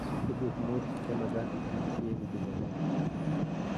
Tukuk mut chemagat itinye sieku bilionea